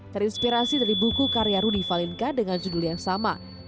terinspirasi dari buku karya rudy valinka dengan judul yang sama